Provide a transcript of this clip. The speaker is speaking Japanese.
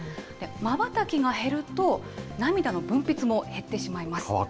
まばたきが減ると、涙の分泌も減ってしまいます。